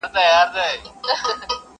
زه له فطرته عاشقي کوومه ښه کوومه.